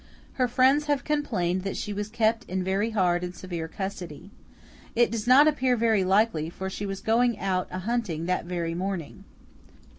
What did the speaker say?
Her friends have complained that she was kept in very hard and severe custody. It does not appear very likely, for she was going out a hunting that very morning.